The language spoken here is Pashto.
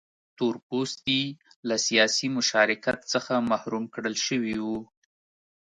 تور پوستي له سیاسي مشارکت څخه محروم کړل شوي وو.